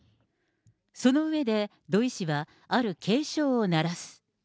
その上で土井氏はある警鐘を鳴らす。